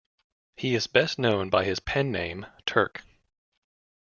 He is best known by his pen name Turk.